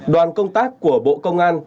đoàn công tác của bộ công an